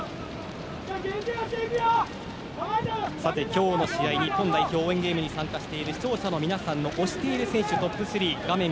今日の試合、日本代表応援ゲームに参加している視聴者の皆さんの推している選手トップ３画面